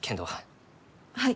はい。